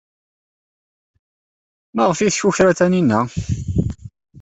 Maɣef ay tkukra Taninna?